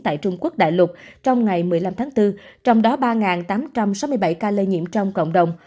tại trung quốc đại lục trong ngày một mươi năm tháng bốn trong đó ba tám trăm sáu mươi bảy ca lây nhiễm trong cộng đồng